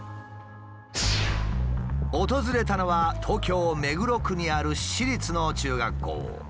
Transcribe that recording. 訪れたのは東京目黒区にある私立の中学校。